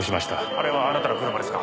あれはあなたの車ですか？